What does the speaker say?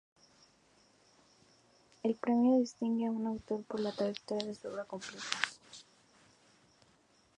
El premio distingue a un autor por la trayectoria de su obra completa.